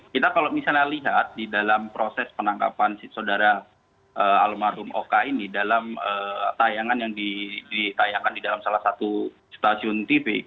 kita kalau misalnya lihat di dalam proses penangkapan saudara almarhum oka ini dalam tayangan yang ditayangkan di dalam salah satu stasiun tv